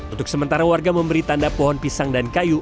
untuk sementara warga memberi tanda pohon pisang dan kayu